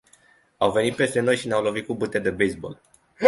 Au venit peste noi și ne-au lovit cu bâte de baseball.